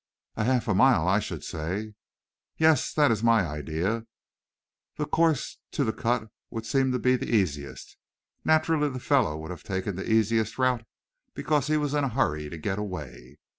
"A half mile, I should say." "Yes, that is my idea. The course to the cut would seem to be the easiest. Naturally the fellow would have taken the easiest route, because he was in a hurry to get away."